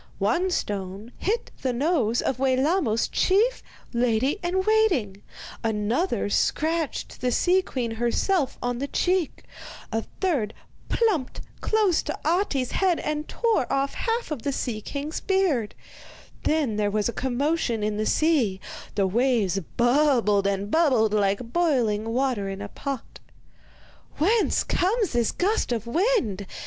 One stone hit the nose of Wellamos's chief lady in waiting, another scratched the sea queen herself on the cheek, a third plumped close to Ahti's head and tore off half of the sea king's beard; then there was a commotion in the sea, the waves bubbled and bubbled like boiling water in a pot. 'Whence comes this gust of wind?